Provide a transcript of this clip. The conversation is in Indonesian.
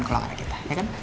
kalau nggak ada kita ya kan